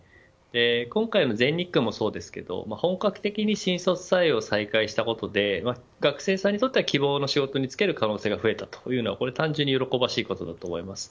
今回の全日空もそうですけど本格的に新卒採用を再開したことで学生さんにとっては希望の仕事に就ける可能性が増えたというのは単純に喜ばしいことだと思います。